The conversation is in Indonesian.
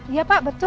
iya pak betul